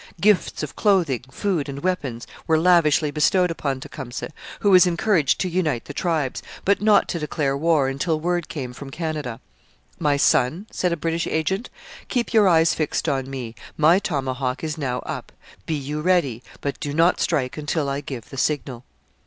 Gifts of clothing, food, and weapons were lavishly bestowed upon Tecumseh, who was encouraged to unite the tribes, but not to declare war until word came from Canada. 'My son,' said a British agent, 'keep your eyes fixed on me; my tomahawk is now up; be you ready, but do not strike until I give the signal.'